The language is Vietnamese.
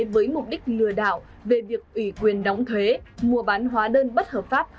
với mục đích lừa đảo về việc ủy quyền đóng thuế mua bán hóa đơn bất hợp pháp